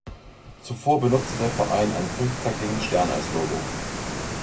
Zuvor benutzte der Verein einen fünfzackigen Stern als Logo.